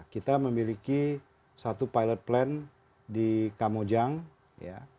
kita memiliki satu pilot plan di kamojang ya